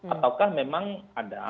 ataukah memang ada